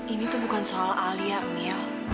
ini tuh bukan soal alia emil